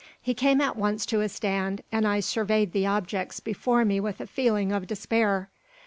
He came at once to a stand, and I surveyed the objects before me with a feeling of despair.